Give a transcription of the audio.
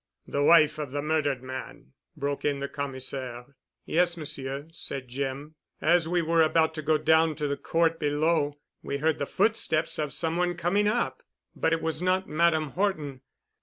"The wife of the murdered man?" broke in the Commissaire. "Yes, Monsieur," said Jim. "As we were about to go down to the court below we heard the footsteps of some one coming up. But it was not Madame Horton.